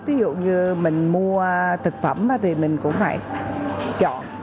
ví dụ như mình mua thực phẩm thì mình cũng phải chọn